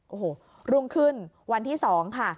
โอ้โหรุ่งขึ้นวันที่๒ค่ะ